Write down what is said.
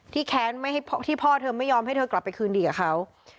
แค้นที่พ่อเธอไม่ยอมให้เธอกลับไปคืนดีกับเขา